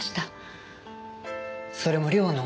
それも良の？